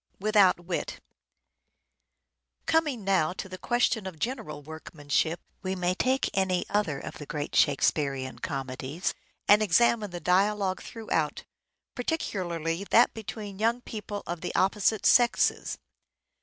Coming now to the question of general workman Without ship, we may take any other of the great Shakespearean wlt* comedies, and examine the dialogue throughout, particularly that between young people of the opposite sexes.